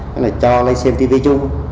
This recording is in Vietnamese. nói là cho lấy xem tivi chung